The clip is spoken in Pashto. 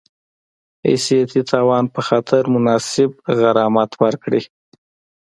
حیثیتي تاوان په خاطر مناسب غرامت ورکړي